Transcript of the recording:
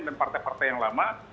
dan partai partai yang lama